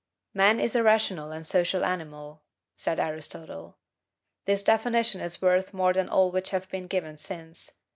Man is a rational and social animal {GREEK ' c g} said Aristotle. This definition is worth more than all which have been given since.